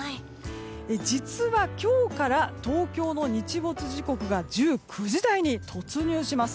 実は今日から東京の日没時刻が１９時台に突入します。